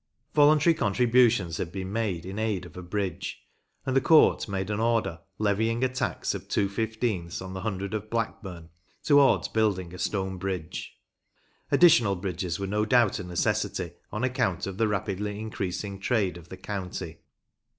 Voluntary contributions had been made in aid of a bridge, and the Court made an order levying a tax of two fifteenths on the Hundred of Blackburn towards building a stone bridge. Additional bridges were no doubt a necessity on account of the rapidly increasing trade of the county.